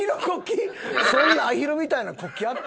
そんなアヒルみたいな国旗あった？